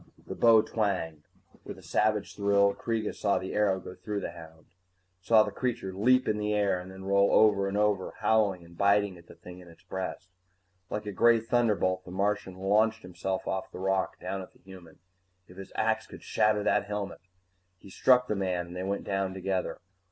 The bow twanged. With a savage thrill, Kreega saw the arrow go through the hound, saw the creature leap in the air and then roll over and over, howling and biting at the thing in its breast. Like a gray thunderbolt, the Martian launched himself off the rock, down at the human. If his axe could shatter that helmet He struck the man and they went down together.